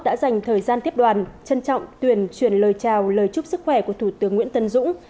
đã dành thời gian tiếp đoàn trân trọng tuyên truyền lời chào lời chúc sức khỏe của thủ tướng nguyễn tân dũng